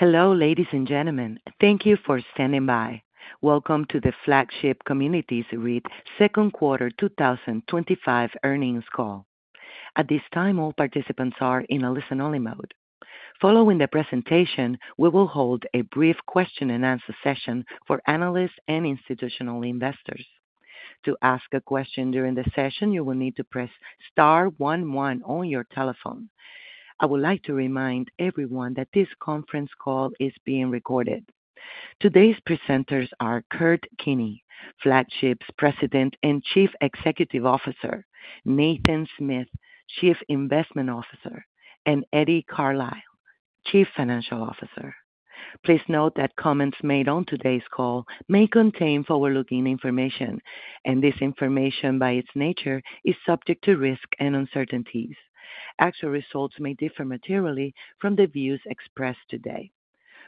Hello, ladies and gentlemen. Thank you for standing by. Welcome to the Flagship Communities REIT Second Quarter 2025 Earnings Call. At this time, all participants are in a listen-only mode. Following the presentation, we will hold a brief question-and-answer session for analysts and institutional investors. To ask a question during the session, you will need to press star one one on your telephone. I would like to remind everyone that this conference call is being recorded. Today's presenters are Kurt Keeney, Flagship's President and Chief Executive Officer, Nathan Smith, Chief Investment Officer, and Eddie Carlisle, Chief Financial Officer. Please note that comments made on today's call may contain forward-looking information, and this information, by its nature, is subject to risk and uncertainties. Actual results may differ materially from the views expressed today.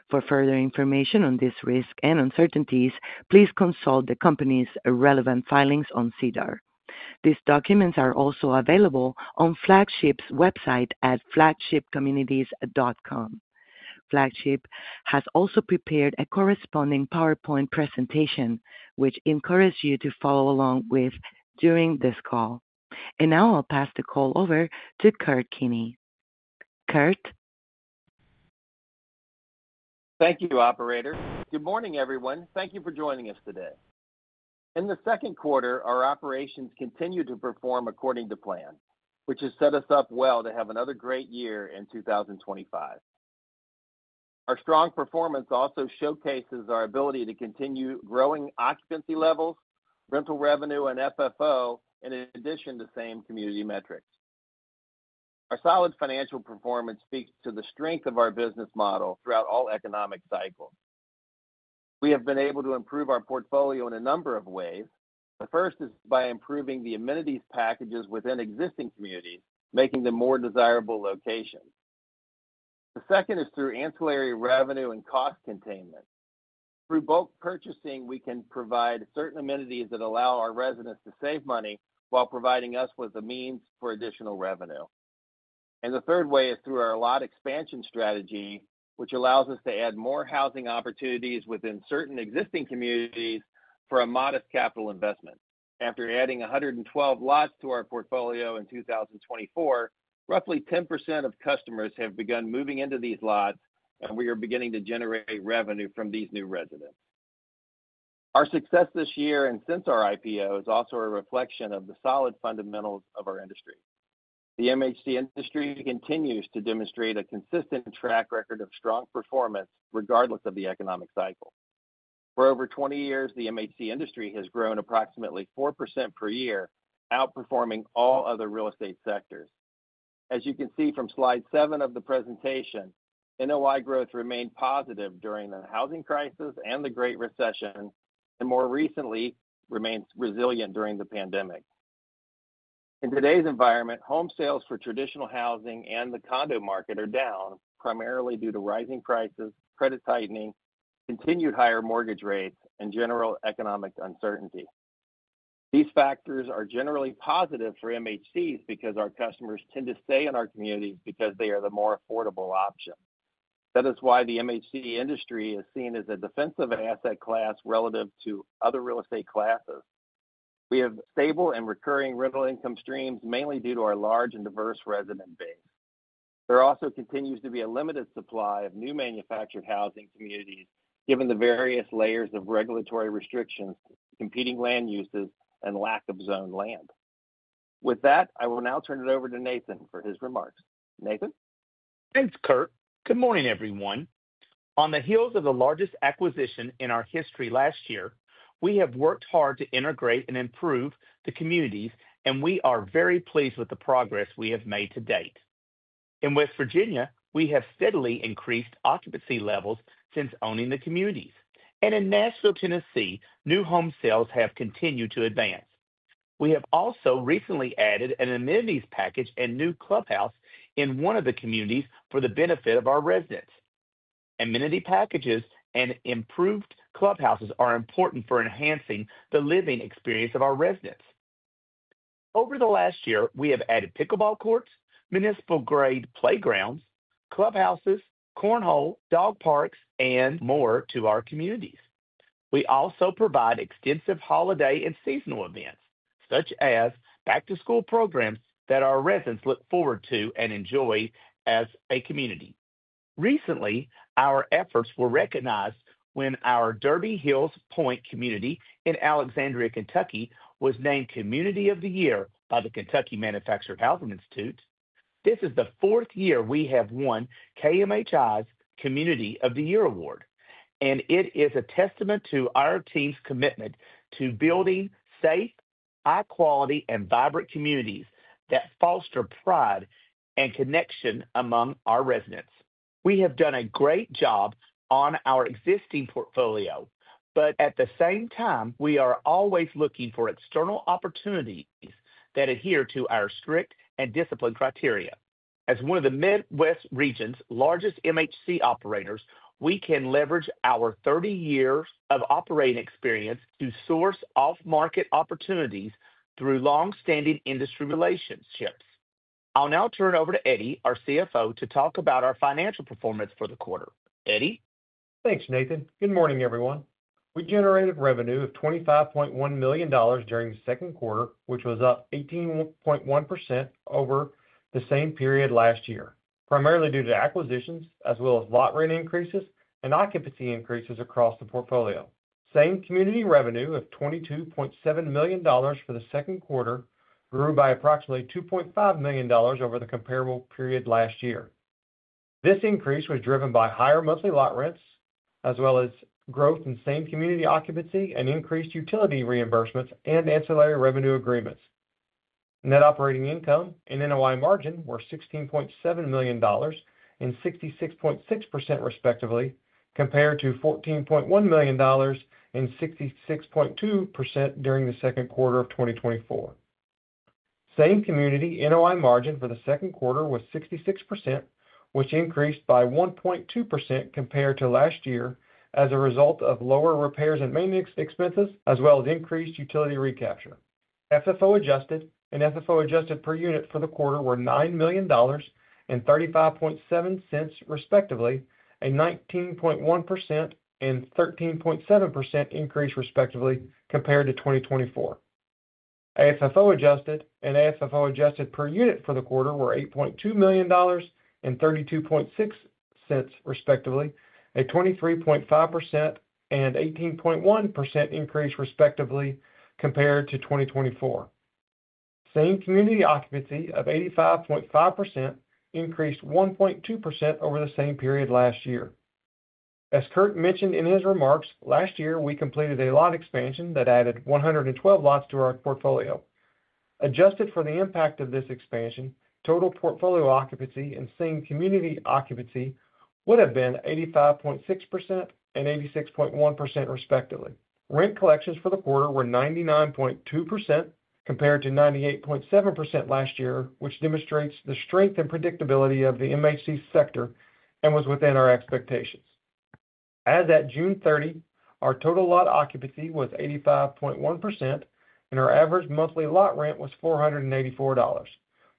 For further information on these risks and uncertainties, please consult the company's relevant filings on SEDAR. These documents are also available on Flagship's website at flagshipcommunities.com. Flagship has also prepared a corresponding PowerPoint presentation, which we encourage you to follow along with during this call. Now I'll pass the call over to Kurt Keeney. Kurt. Thank you, Operator. Good morning, everyone. Thank you for joining us today. In the second quarter, our operations continued to perform according to plan, which has set us up well to have another great year in 2025. Our strong performance also showcases our ability to continue growing occupancy levels, rental revenue, and FFO, in addition to same community metrics. Our solid financial performance speaks to the strength of our business model throughout all economic cycles. We have been able to improve our portfolio in a number of ways. The first is by improving the amenities packages within existing communities, making them more desirable locations. The second is through ancillary revenue and cost containment. Through bulk purchasing, we can provide certain amenities that allow our residents to save money while providing us with a means for additional revenue. The third way is through our lot expansion strategy, which allows us to add more housing opportunities within certain existing communities for a modest capital investment. After adding 112 lots to our portfolio in 2024, roughly 10% of customers have begun moving into these lots, and we are beginning to generate revenue from these new residents. Our success this year and since our IPO is also a reflection of the solid fundamentals of our industry. The MHC industry continues to demonstrate a consistent track record of strong performance regardless of the economic cycle. For over 20 years, the MHC industry has grown approximately 4% per year, outperforming all other real estate sectors. As you can see from slide seven of the presentation, NOI growth remained positive during the housing crisis and the Great Recession, and more recently remains resilient during the pandemic. In today's environment, home sales for traditional housing and the condo market are down, primarily due to rising prices, credit tightening, continued higher mortgage rates, and general economic uncertainty. These factors are generally positive for MHCs because our customers tend to stay in our community because they are the more affordable option. That is why the MHC industry is seen as a defensive asset class relative to other real estate classes. We have stable and recurring rental income streams, mainly due to our large and diverse resident base. There also continues to be a limited supply of new manufactured housing communities, given the various layers of regulatory restrictions, competing land uses, and lack of zoned land. With that, I will now turn it over to Nathan for his remarks. Nathan? Thanks, Kurt. Good morning, everyone. On the heels of the largest acquisition in our history last year, we have worked hard to integrate and improve the communities, and we are very pleased with the progress we have made to date. In West Virginia, we have steadily increased occupancy levels since owning the communities, and in Nashville, Tennessee, new home sales have continued to advance. We have also recently added an amenities package and new clubhouse in one of the communities for the benefit of our residents. Amenity packages and improved clubhouses are important for enhancing the living experience of our residents. Over the last year, we have added pickleball courts, municipal-grade playgrounds, clubhouses, cornhole, dog parks, and more to our communities. We also provide extensive holiday and seasonal events, such as back-to-school programs that our residents look forward to and enjoy as a community. Recently, our efforts were recognized when our Derby Hills Point community in Alexandria, Kentucky, was named Community of the Year by the Kentucky Manufactured Housing Institute. This is the fourth year we have won KMHI's Community of the Year Award, and it is a testament to our team's commitment to building safe, high-quality, and vibrant communities that foster pride and connection among our residents. We have done a great job on our existing portfolio, but at the same time, we are always looking for external opportunities that adhere to our strict and disciplined criteria. As one of the Midwest region's largest MHC operators, we can leverage our 30 years of operating experience to source off-market opportunities through longstanding industry relationships. I'll now turn over to Eddie, our CFO, to talk about our financial performance for the quarter. Eddie? Thanks, Nathan. Good morning, everyone. We generated revenue of $25.1 million during the second quarter, which was up 18.1% over the same period last year, primarily due to acquisitions as well as lot rate increases and occupancy increases across the portfolio. Same community revenue of $22.7 million for the second quarter grew by approximately $2.5 million over the comparable period last year. This increase was driven by higher monthly lot rents, as well as growth in same community occupancy and increased utility reimbursements and ancillary revenue agreements. Net operating income and NOI margin were $16.7 million and 66.6% respectively, compared to $14.1 million and 66.2% during the second quarter of 2024. Same community NOI margin for the second quarter was 66%, which increased by 1.2% compared to last year as a result of lower repairs and maintenance expenses, as well as increased utility recapture. FFO adjusted and FFO adjusted per unit for the quarter were $9 million and $0.357 respectively, a 19.1% and 13.7% increase respectively compared to 2024. AFFO adjusted and AFFO adjusted per unit for the quarter were $8.2 million and $0.326 respectively, a 23.5% and 18.1% increase respectively compared to 2024. Same community occupancy of 85.5% increased 1.2% over the same period last year. As Kurt mentioned in his remarks, last year we completed a lot expansion that added 112 lots to our portfolio. Adjusted for the impact of this expansion, total portfolio occupancy and same community occupancy would have been 85.6% and 86.1% respectively. Rent collections for the quarter were 99.2% compared to 98.7% last year, which demonstrates the strength and predictability of the MHC sector and was within our expectations. As at June 30, our total lot occupancy was 85.1% and our average monthly lot rent was $484.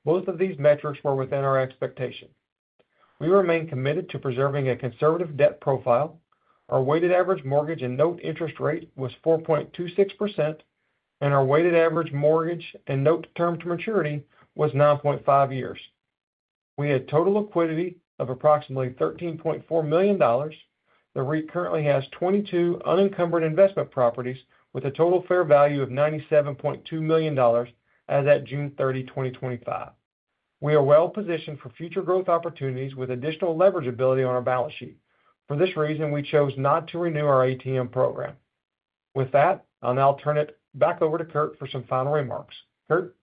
Both of these metrics were within our expectations. We remain committed to preserving a conservative debt profile. Our weighted average mortgage and note interest rate was 4.26%, and our weighted average mortgage and note term to maturity was 9.5 years. We had total liquidity of approximately $13.4 million. The REIT currently has 22 unencumbered investment properties with a total fair value of $97.2 million as at June 30, 2025. We are well positioned for future growth opportunities with additional leverageability on our balance sheet. For this reason, we chose not to renew our ATM program. With that, I'll now turn it back over to Kurt for some final remarks. Kurt.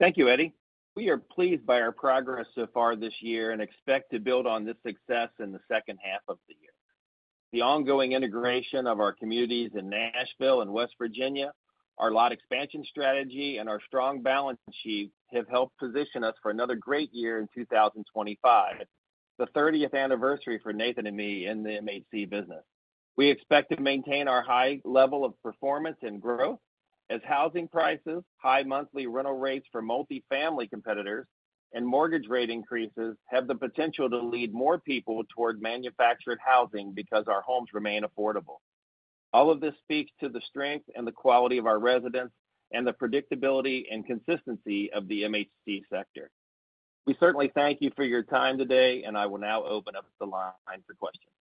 Thank you, Eddie. We are pleased by our progress so far this year and expect to build on this success in the second half of the year. The ongoing integration of our communities in Nashville and West Virginia, our lot expansion strategy, and our strong balance sheet have helped position us for another great year in 2025, the 30th anniversary for Nathan and me in the MHC business. We expect to maintain our high level of performance and growth as housing prices, high monthly rental rates for multi-family competitors, and mortgage rate increases have the potential to lead more people toward manufactured housing because our homes remain affordable. All of this speaks to the strength and the quality of our residents and the predictability and consistency of the MHC sector. We certainly thank you for your time today, and I will now open up the line for questions.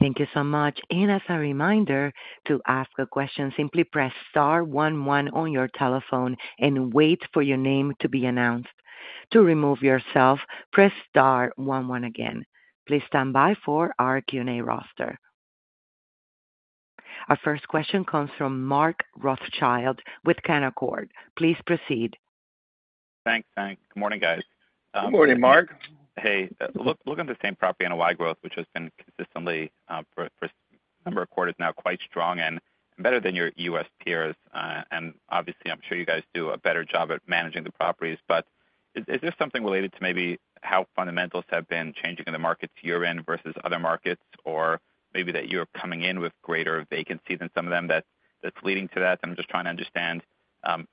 Thank you so much. As a reminder, to ask a question, simply press star one one on your telephone and wait for your name to be announced. To remove yourself, press star one one again. Please stand by for our Q&A roster. Our first question comes from Mark Rothschild with Canaccord. Please proceed. Thanks. Good morning, guys. Morning, Mark. Hey, looking at the same property NOI growth, which has been consistently for a number of quarters now, quite strong and better than your U.S. peers. Obviously, I'm sure you guys do a better job at managing the properties, but is there something related to maybe how fundamentals have been changing in the markets you're in versus other markets, or maybe that you're coming in with greater vacancy than some of them that's leading to that? I'm just trying to understand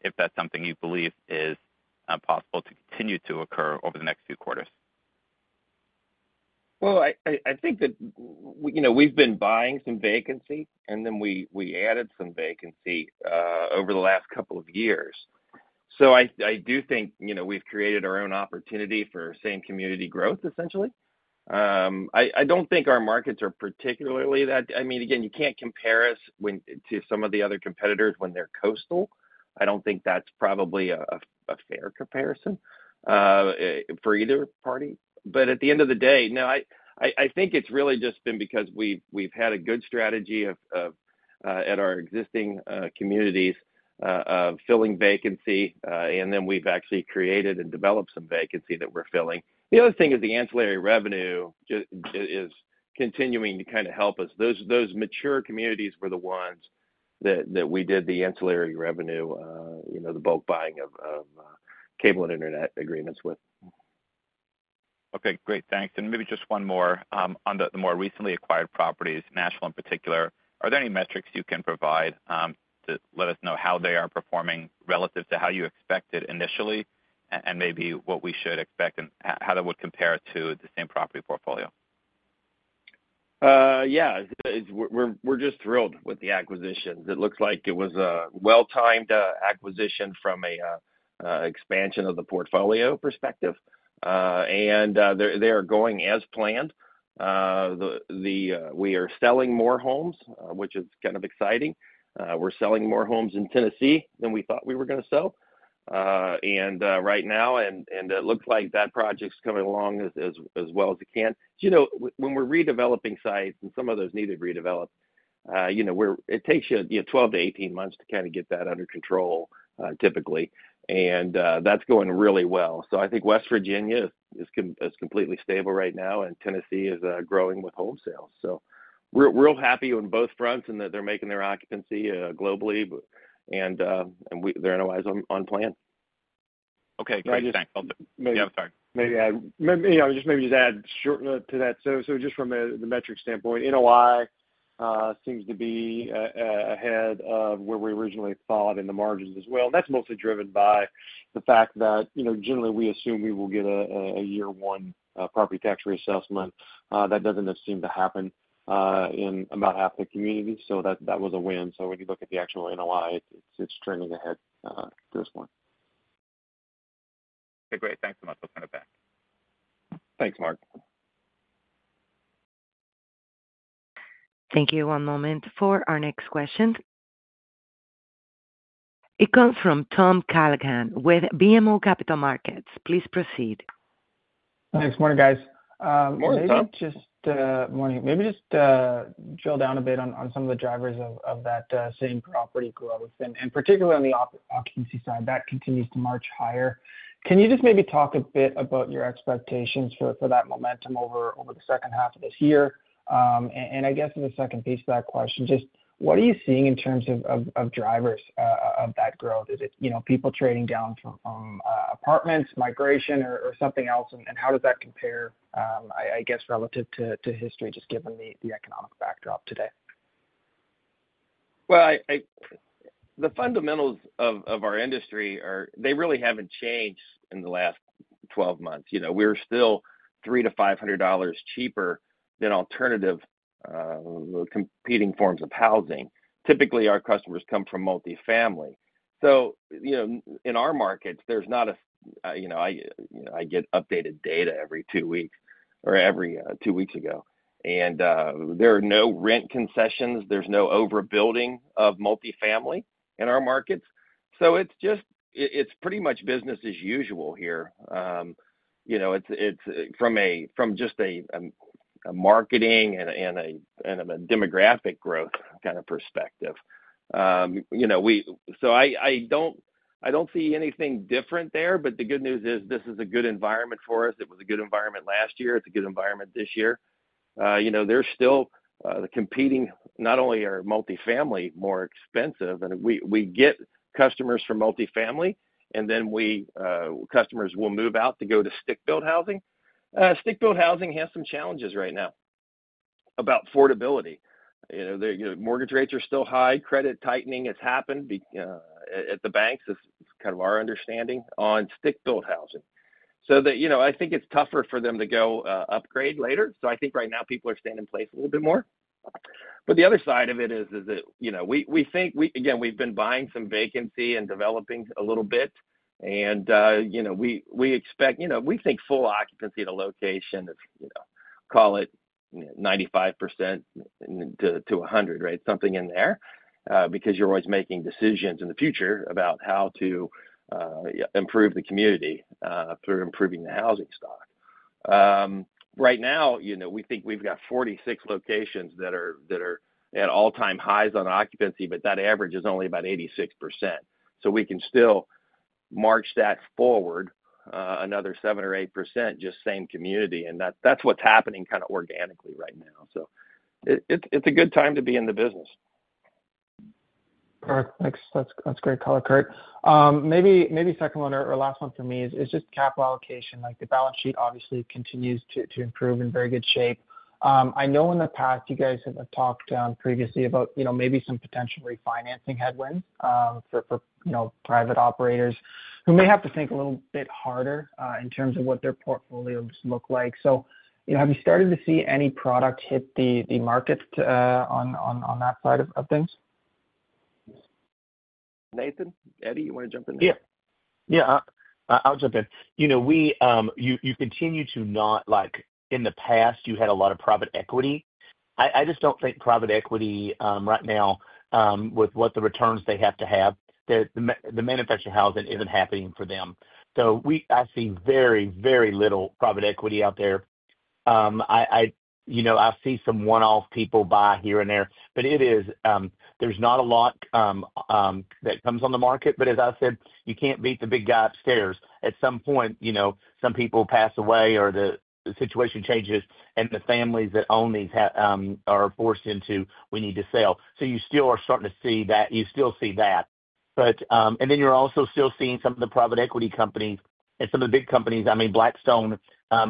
if that's something you believe is possible to continue to occur over the next few quarters. I think that we've been buying some vacancy, and then we added some vacancy over the last couple of years. I do think we've created our own opportunity for same community growth, essentially. I don't think our markets are particularly that, I mean, again, you can't compare us to some of the other competitors when they're coastal. I don't think that's probably a fair comparison for either party. At the end of the day, I think it's really just been because we've had a good strategy at our existing communities of filling vacancy, and then we've actually created and developed some vacancy that we're filling. The other thing is the ancillary revenue is continuing to kind of help us. Those mature communities were the ones that we did the ancillary revenue, you know, the bulk buying of cable and internet agreements with. Okay, great, thanks. Maybe just one more on the more recently acquired properties, Nashville in particular. Are there any metrics you can provide to let us know how they are performing relative to how you expected initially, and maybe what we should expect and how that would compare to the same property portfolio? Yeah, we're just thrilled with the acquisitions. It looks like it was a well-timed acquisition from an expansion of the portfolio perspective, and they are going as planned. We're selling more homes, which is kind of exciting. We're selling more homes in Tennessee than we thought we were going to sell. Right now, it looks like that project's coming along as well as it can. When we're redeveloping sites and some of those need to be redeveloped, it takes you 12-18 months to kind of get that under control typically, and that's going really well. I think West Virginia is completely stable right now, and Tennessee is growing with home sales. We're real happy on both fronts in that they're making their occupancy globally, and their NOI is on plan. Okay, great, thanks. Maybe I'll just add a short note to that. Just from the metrics standpoint, NOI seems to be ahead of where we originally thought in the margins as well. That's mostly driven by the fact that, you know, generally we assume we will get a year-one property tax reassessment. That doesn't seem to happen in about half the communities, so that was a win. When you look at the actual NOI, it's trending ahead to this one. Okay, great, thanks so much. Let's send it back. Thanks, Mark. Thank you. One moment for our next question. It comes from Tom Callaghan with BMO Capital Markets. Please proceed. Thanks. Morning, guys. Morning, Tom. Just want to maybe just drill down a bit on some of the drivers of that same property growth, and particularly on the occupancy side, that continues to march higher. Can you just maybe talk a bit about your expectations for that momentum over the second half of this year? I guess in the second piece of that question, just what are you seeing in terms of drivers of that growth? Is it, you know, people trading down from apartments, migration, or something else? How does that compare, I guess, relative to history, just given the economic backdrop today? The fundamentals of our industry really haven't changed in the last 12 months. We're still $300-$500 cheaper than alternative competing forms of housing. Typically, our customers come from multifamily. In our markets, I get updated data every two weeks, and there are no rent concessions. There's no overbuilding of multifamily in our markets. It's pretty much business as usual here. From just a marketing and a demographic growth kind of perspective, I don't see anything different there. The good news is this is a good environment for us. It was a good environment last year. It's a good environment this year. There's still the competing, not only are multifamily more expensive, and we get customers from multifamily, and then customers will move out to go to stick-built housing. Stick-built housing has some challenges right now about affordability. Mortgage rates are still high. Credit tightening has happened at the banks. It's kind of our understanding on stick-built housing. I think it's tougher for them to go upgrade later. I think right now people are staying in place a little bit more. The other side of it is that we've been buying some vacancy and developing a little bit. We expect, we think full occupancy of the location is, call it 95%-100%, right? Something in there, because you're always making decisions in the future about how to improve the community through improving the housing stock. Right now, we think we've got 46 locations that are at all-time highs on occupancy, but that average is only about 86%. We can still march that forward another 7% or 8% just same community. That's what's happening kind of organically right now. It's a good time to be in the business. Perfect. Thanks. That's great color, Kurt. Maybe second one or last one for me is just capital allocation. Like the balance sheet obviously continues to improve in very good shape. I know in the past you guys have talked down previously about, you know, maybe some potential refinancing headwind for, you know, private operators who may have to think a little bit harder in terms of what their portfolios look like. Have you started to see any product hit the market on that side of things? Nathan? Eddie, you want to jump in there? Yeah, I'll jump in. You know, you continue to not, like in the past, you had a lot of private equity. I just don't think private equity right now with what the returns they have to have, the manufactured housing isn't happening for them. I've seen very, very little private equity out there. I've seen some one-off people buy here and there, but there's not a lot that comes on the market. As I said, you can't beat the big guy upstairs. At some point, some people pass away or the situation changes and the families that own these are forced into, we need to sell. You still are starting to see that. You still see that. You're also still seeing some of the private equity companies and some of the big companies. I mean, Blackstone,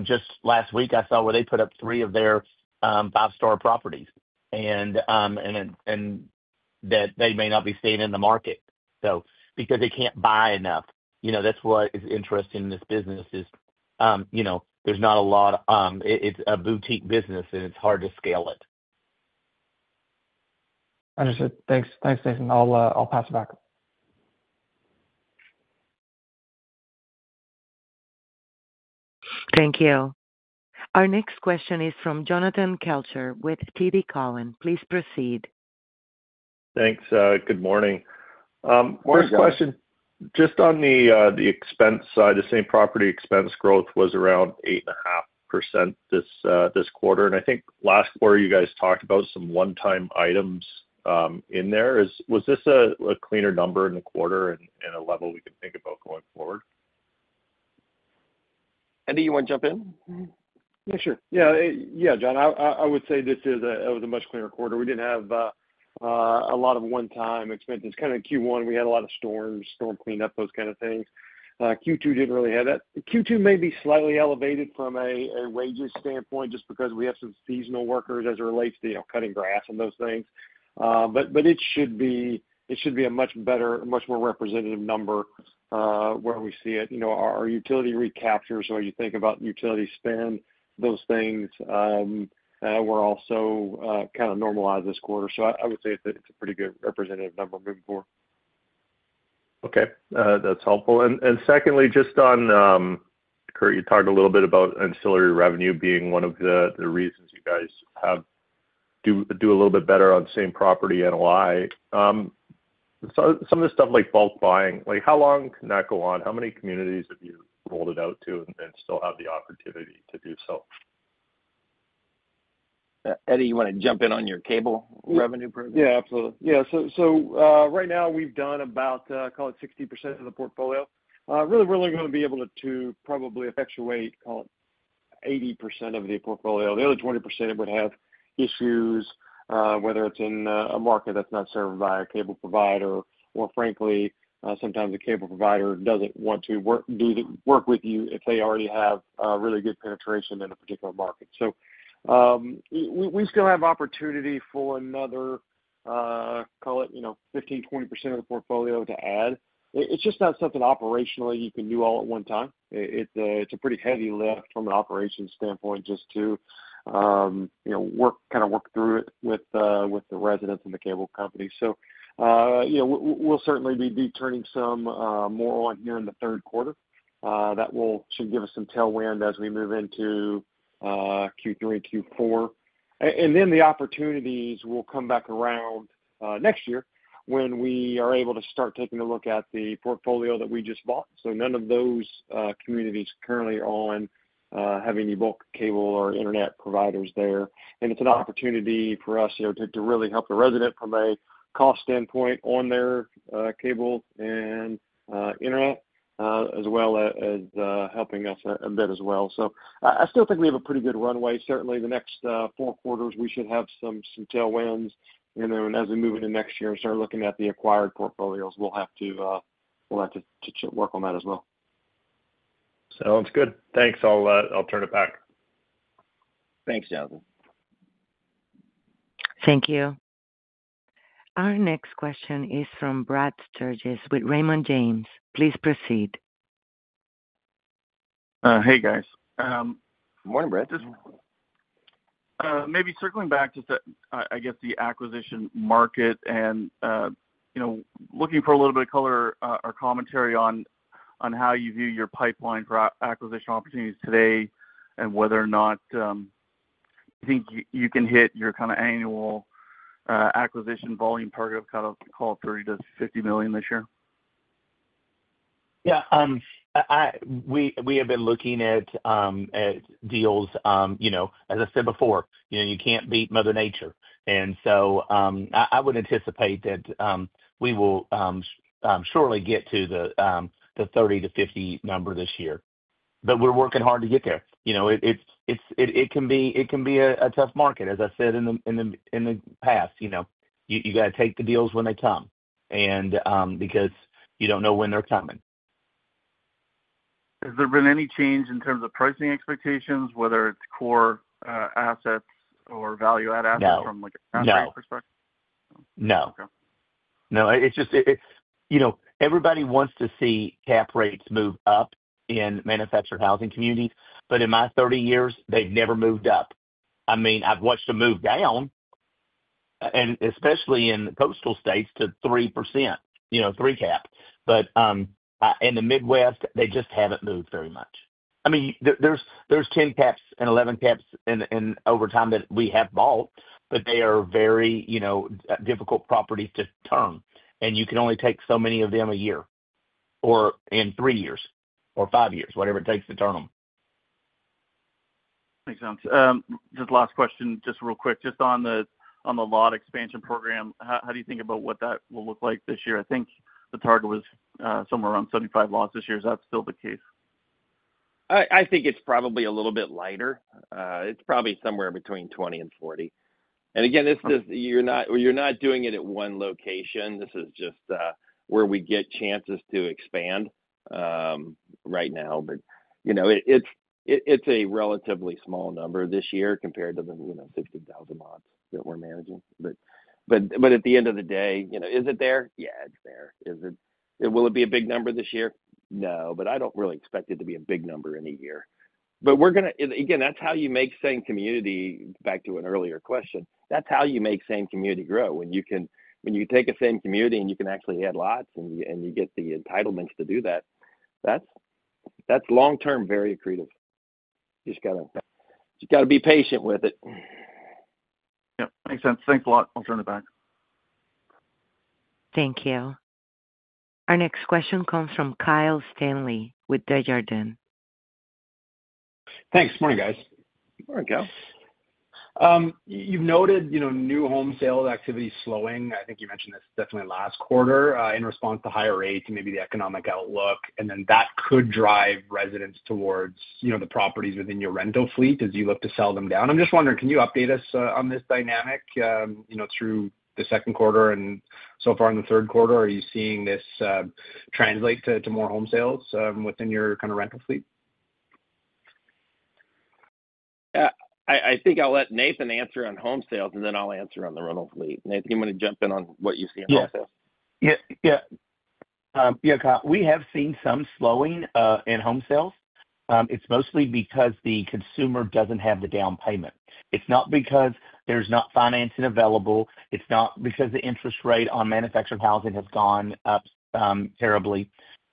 just last week I saw where they put up three of their five-star properties and that they may not be staying in the market because they can't buy enough. That's what is interesting in this business. There's not a lot, it's a boutique business and it's hard to scale it. Understood. Thanks, thanks, Nathan. I'll pass it back. Thank you. Our next question is from Jonathan Kelcher with TD Cowen. Please proceed. Thanks. Good morning. My question just on the expense side, the same property expense growth was around 8.5% this quarter. I think last quarter you guys talked about some one-time items in there. Was this a cleaner number in the quarter and a level we could think about going forward? Eddie, you want to jump in? Yeah, sure. Yeah, yeah, John, I would say that it was a much cleaner quarter. We didn't have a lot of one-time expenses. Q1, we had a lot of storms, storm cleanup, those kind of things. Q2 didn't really have that. Q2 may be slightly elevated from a wages standpoint just because we have some seasonal workers as it relates to, you know, cutting grass and those things. It should be a much better, much more representative number where we see it. Our utility recapture, so you think about utility spend, those things were also kind of normalized this quarter. I would say it's a pretty good representative number moving forward. Okay, that's helpful. Secondly, just on Kurt, you talked a little bit about ancillary revenue being one of the reasons you guys have to do a little bit better on same property NOI. Some of the stuff like bulk buying, like how long can that go on? How many communities have you rolled it out to and still have the opportunity to do so? Eddie, you want to jump in on your cable revenue? Yeah, absolutely. Right now we've done about, call it, 60% of the portfolio. Really, we're only going to be able to probably effectuate, call it, 80% of the portfolio. The other 20% would have issues, whether it's in a market that's not served by a cable provider, or frankly, sometimes a cable provider doesn't want to work with you if they already have really good penetration in a particular market. We still have opportunity for another, call it, you know, 15%, 20% of the portfolio to add. It's just not something operationally you can do all at one time. It's a pretty heavy lift from an operations standpoint just to work, kind of work through it with the residents and the cable companies. We'll certainly be turning some more on here in the third quarter. That will give us some tailwind as we move into Q3, Q4. The opportunities will come back around next year when we are able to start taking a look at the portfolio that we just bought. None of those communities currently are on having any bulk cable or internet providers there. It's an opportunity for us to really help the resident from a cost standpoint on their cable and internet, as well as helping us a bit as well. I still think we have a pretty good runway. Certainly, the next four quarters we should have some tailwinds. As we move into next year and start looking at the acquired portfolios, we'll have to work on that as well. Sounds good. Thanks. I'll turn it back. Thanks, Jonathan. Thank you. Our next question is from Brad Sturges with Raymond James. Please proceed. Hey, guys. Morning, Brad. Just maybe circling back to the, I guess, the acquisition market and, you know, looking for a little bit of color or commentary on how you view your acquisition pipeline opportunities today and whether or not you think you can hit your kind of annual acquisition volume target of, call it, $30 million-$50 million this year? Yeah, we have been looking at deals. As I said before, you can't beat Mother Nature. I would anticipate that we will surely get to the 30-50 number this year. We're working hard to get there. It can be a tough market. As I said in the past, you got to take the deals when they come because you don't know when they're coming. Has there been any change in terms of pricing expectations, whether it's core assets or value-add assets from a contractor perspective? No. Okay. No, it's just, you know, everybody wants to see cap rates move up in Manufactured Housing Communities. In my 30 years, they've never moved up. I've watched them move down, especially in the coastal states to 3%, you know, three cap. In the Midwest, they just haven't moved very much. There are 10 caps and 11 caps over time that we have bought, but they are very difficult properties to turn. You can only take so many of them a year or in three years or five years, whatever it takes to turn them. Thanks, John. Just last question, just real quick, on the lot expansion program, how do you think about what that will look like this year? I think the target was somewhere around 75 lots this year. Is that still the case? I think it's probably a little bit lighter. It's probably somewhere between 20-40. This is not at one location. This is just where we get chances to expand right now. It's a relatively small number this year compared to the 15,000 lots that we're managing. At the end of the day, is it there? Yeah, it's there. Will it be a big number this year? No, but I don't really expect it to be a big number in a year. That's how you make same community, back to an earlier question, that's how you make same community grow. When you take a same community and you can actually add lots and you get the entitlements to do that, that's long-term very creative. You just got to be patient with it. Yeah, makes sense. Thanks a lot. I'll turn it back. Thank you. Our next question comes from Kyle Stanley with Desjardins. Thanks. Morning, guys. Morning, Kyle. You've noted new home sales activity slowing. I think you mentioned this definitely last quarter in response to higher rates and maybe the economic outlook. That could drive residents towards the properties within your rental fleet as you look to sell them down. I'm just wondering, can you update us on this dynamic through the second quarter? So far in the third quarter, are you seeing this translate to more home sales within your kind of rental fleet? I think I'll let Nathan answer on home sales, and then I'll answer on the rental fleet. Nathan, you want to jump in on what you see in home sales? Yeah, we have seen some slowing in home sales. It's mostly because the consumer doesn't have the down payment. It's not because there's not financing available. It's not because the interest rate on manufactured housing has gone up terribly.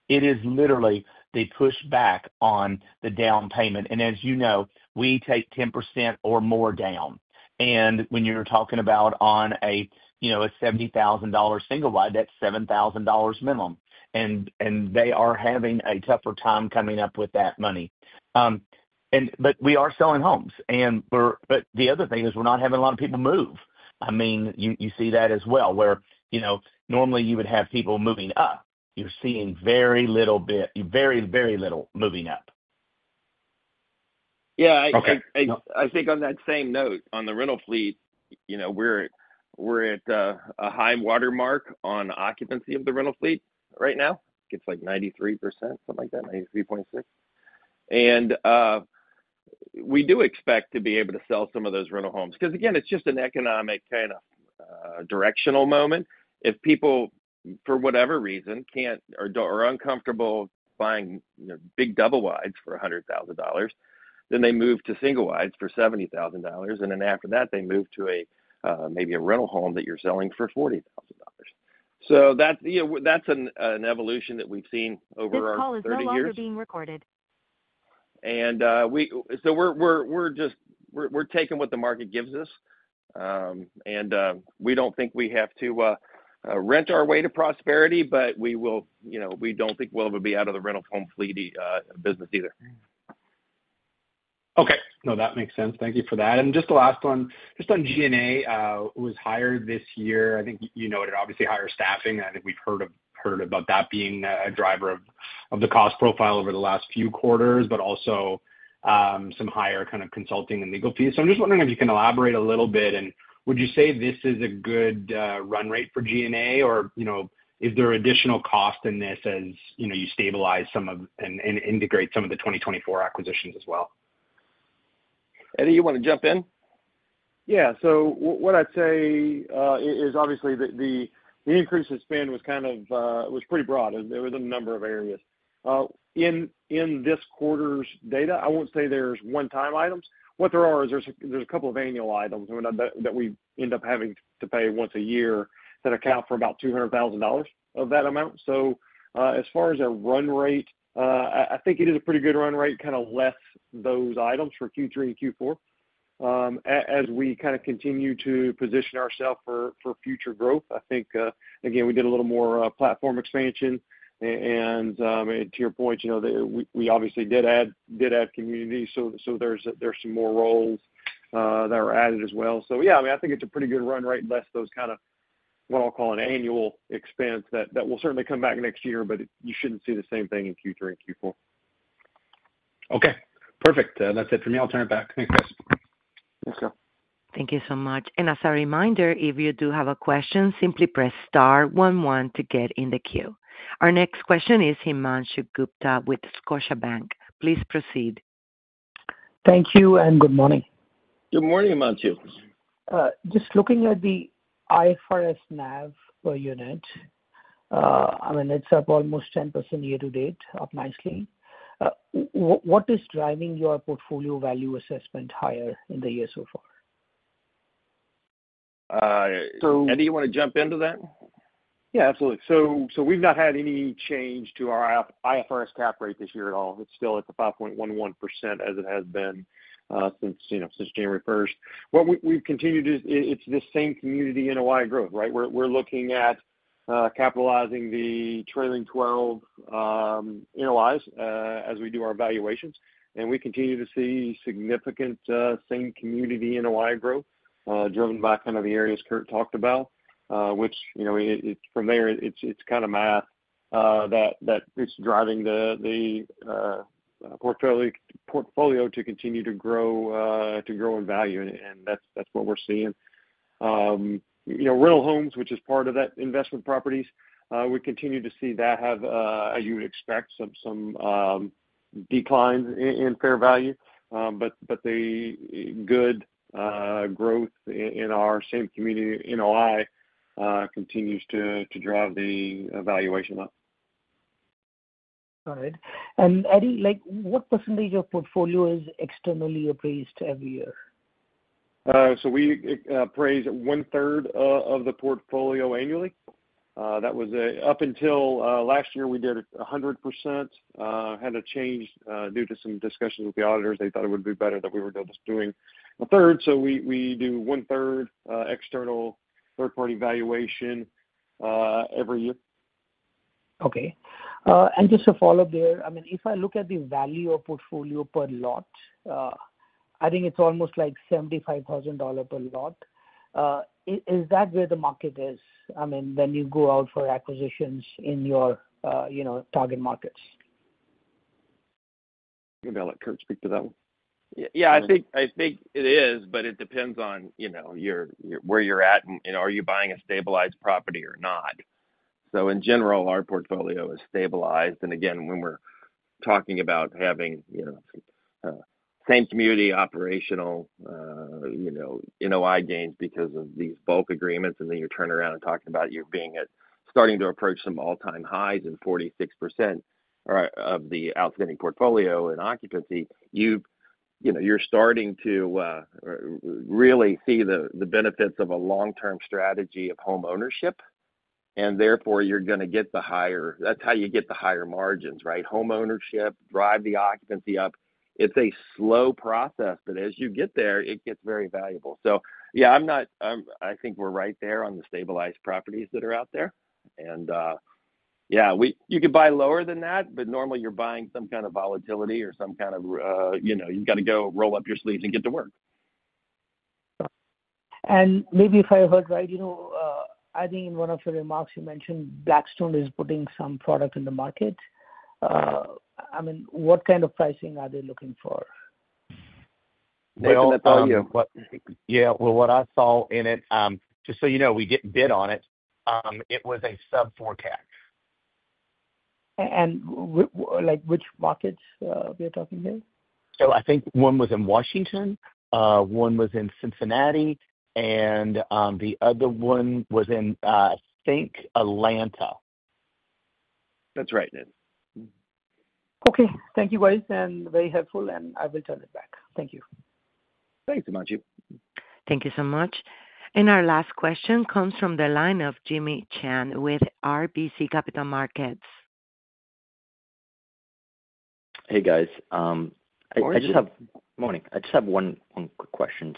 It is literally the pushback on the down payment. As you know, we take 10% or more down. When you're talking about on a $70,000 single wide, that's $7,000 minimum. They are having a tougher time coming up with that money. We are selling homes, but the other thing is we're not having a lot of people move. I mean, you see that as well, where normally you would have people moving up. You're seeing very little, very, very little moving up. Yeah, I think on that same note, on the rental fleet, we're at a high watermark on occupancy of the rental fleet right now. I think it's like 93%, something like that, 93.6%. We do expect to be able to sell some of those rental homes because, again, it's just an economic kind of directional moment. If people, for whatever reason, can't or are uncomfortable buying big double wides for $100,000, they move to single wides for $70,000. After that, they move to maybe a rental home that you're selling for $40,000. That's an evolution that we've seen over the years. This call is being recorded. We are just taking what the market gives us. We do not think we have to rent our way to prosperity, but we will. We do not think we will ever be out of the rental home fleet business either. Okay. No, that makes sense. Thank you for that. Just the last one, just on G&A, who was hired this year, I think you know it obviously hires staffing. I think we've heard about that being a driver of the cost profile over the last few quarters, but also some higher kind of consulting and legal fees. I'm just wondering if you can elaborate a little bit. Would you say this is a good run rate for G&A, or is there additional cost in this as you stabilize some of and integrate some of the 2024 acquisitions as well? Eddie, you want to jump in? Yeah, what I'd say is obviously the increase in spend was pretty broad within a number of areas. In this quarter's data, I won't say there's one-time items. What there are is a couple of annual items that we end up having to pay once a year that account for about $200,000 of that amount. As far as a run rate, I think it is a pretty good run rate, less those items for Q3 and Q4. As we continue to position ourselves for future growth, I think, again, we did a little more platform expansion. To your point, we obviously did add communities, so there are some more roles that are added as well. I think it's a pretty good run rate, less those, what I'll call an annual expense that will certainly come back next year, but you shouldn't see the same thing in Q3 and Q4. Okay, perfect. That's it from me. I'll turn it back. Thanks, guys. Thanks, Kyle. Thank you so much. As a reminder, if you do have a question, simply press star one one to get in the queue. Our next question is Himanshu Gupta with Scotiabank. Please proceed. Thank you and good morning. Good morning, Himanshu. Just looking at the IFRS NAV unit, I mean, it's up almost 10% year-to-date, up nicely. What is driving your portfolio value assessment higher in the year so far? Eddie, you want to jump into that? Yeah, absolutely. We've not had any change to our IFRS cap rate this year at all. It's still at the 5.11% as it has been since January 1st, 2023. What we've continued is it's the same community NOI growth, right? We're looking at capitalizing the trailing 12 NOIs as we do our valuations. We continue to see significant same community NOI growth driven by kind of the areas Kurt talked about, which, from there, it's kind of math that it's driving the portfolio to continue to grow in value. That's what we're seeing. Rental homes, which is part of that investment properties, we continue to see that have, as you would expect, some declines in fair value. The good growth in our same community NOI continues to drive the valuation up. All right. Eddie, what percentage of portfolio is externally appraised every year? We appraise one-third of the portfolio annually. That was up until last year, we did 100%. There was a change due to some discussions with the auditors. They thought it would be better that we were doing a third. We do one-third external third-party valuation every year. Okay. Just to follow up there, if I look at the value of portfolio per lot, I think it's almost like $75,000 per lot. Is that where the market is? When you go out for acquisitions in your target markets? You think I'll let Kurt speak to that? Yeah, I think it is, but it depends on, you know, where you're at and are you buying a stabilized property or not. In general, our portfolio is stabilized. When we're talking about having, you know, some same community operational, you know, NOI gains because of these bulk purchasing agreements, and then you turn around and talk about you being at starting to approach some all-time highs and 46% of the outstanding portfolio in occupancy, you're starting to really see the benefits of a long-term strategy of home ownership. Therefore, you're going to get the higher, that's how you get the higher margins, right? Home ownership drives the occupancy up. It's a slow process, but as you get there, it gets very valuable. I think we're right there on the stabilized properties that are out there. You could buy lower than that, but normally you're buying some kind of volatility or some kind of, you know, you've got to go roll up your sleeves and get to work. Maybe if I heard right, I think in one of your remarks, you mentioned Blackstone is putting some product in the market. I mean, what kind of pricing are they looking for? Nathan, that's all you. Yeah, what I saw in it, just so you know, we didn't bid on it, it was a sub $4,000. Which markets are we talking here? I think one was in Washington, one was in Cincinnati, and the other one was in, I think, Atlanta. That's right. Okay. Thank you, guys, very helpful. I will turn it back. Thank you. Thanks, Himanshu. Thank you so much. Our last question comes from the line of Jimmy Shan with RBC Capital Markets. Hey, guys. Morning, Chan. Morning. I just have one quick question.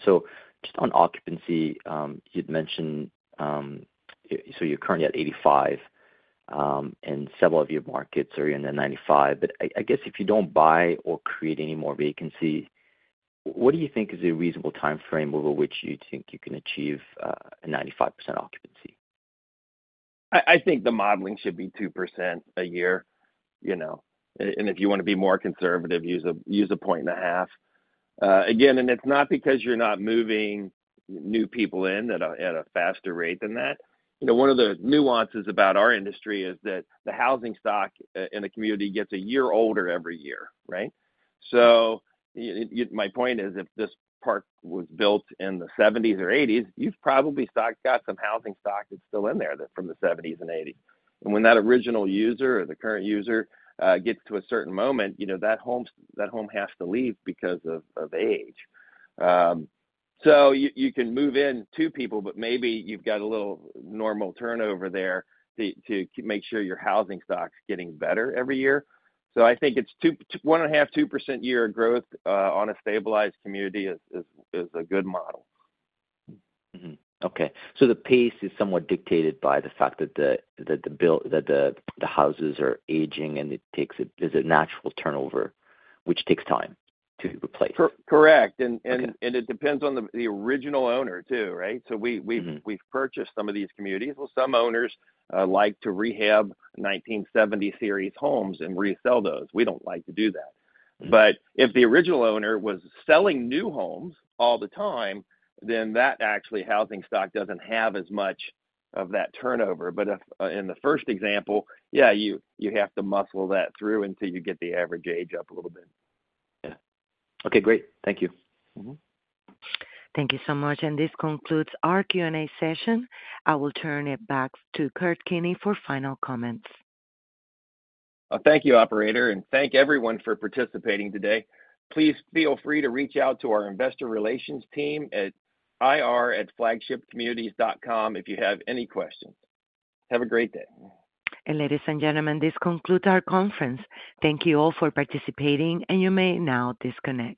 Just on occupancy, you'd mentioned you're currently at 85%, and several of your markets are in the 95% range. I guess if you don't buy or create any more vacancy, what do you think is a reasonable timeframe over which you think you can achieve a 95% occupancy? I think the modeling should be 2% a year, you know. If you want to be more conservative, use 1.5%. Again, it's not because you're not moving new people in at a faster rate than that. One of the nuances about our industry is that the housing stock in a community gets a year older every year, right? My point is if this park was built in the 1970s or 1980s, you've probably got some housing stock that's still in there from the 1970s and 1980s. When that original user or the current user gets to a certain moment, that home has to leave because of age. You can move in two people, but maybe you've got a little normal turnover there to make sure your housing stock is getting better every year. I think 1.5%-2% year growth on a stabilized community is a good model. Okay. The pace is somewhat dictated by the fact that the houses are aging, and it is a natural turnover, which takes time to replace. Correct. It depends on the original owner too, right? We've purchased some of these communities. Some owners like to rehab 1970s series homes and resell those. We don't like to do that. If the original owner was selling new homes all the time, then that actually housing stock doesn't have as much of that turnover. In the first example, you have to muscle that through until you get the average age up a little bit. Yeah, okay, great. Thank you. Thank you so much. This concludes our Q&A session. I will turn it back to Kurt Keeney for final comments. Thank you, operator, and thank everyone for participating today. Please feel free to reach out to our investor relations team at ir@flagshipcommunities.com if you have any questions. Have a great day. Ladies and gentlemen, this concludes our conference. Thank you all for participating, and you may now disconnect.